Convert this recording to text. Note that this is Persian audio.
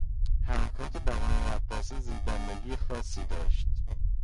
حرکات بدن رقاصه زیبندگی خاصی داشت.